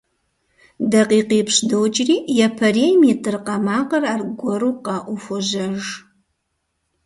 ДакъикъипщӀ докӀри, япэрейм и тӀыркъэ макъыр аргуэру къэӀуу хуожьэж.